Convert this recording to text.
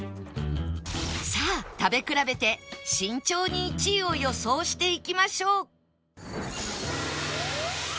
さあ食べ比べて慎重に１位を予想していきましょう